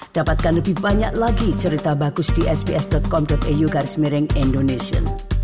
dapatkan lebih banyak lagi cerita bagus di sbs com au garis miring indonesia